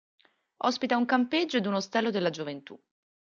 Ospita un campeggio ed un ostello della gioventù.